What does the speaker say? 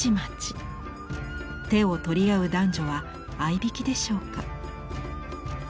手を取り合う男女はあいびきでしょうか。